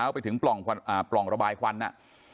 ไปถึงปล่องปล่องระบายควั้นนะ